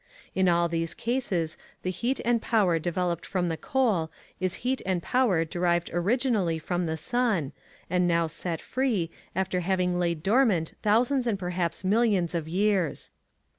In all these cases the heat and power developed from the coal is heat and power derived originally from the sun, and now set free, after having lain dormant thousands and perhaps millions of years.